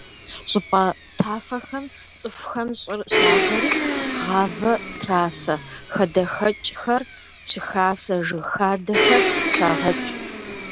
ЩӀыпӀэ тафэхэм цӀыхухэм щӀыр щавэри гъавэ трасэ, хадэхэкӀхэр щыхасэ, жыг хадэхэр щагъэкӀ.